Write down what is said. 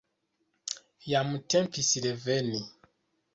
Jam tempis reveni.